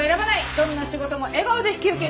どんな仕事も笑顔で引き受ける。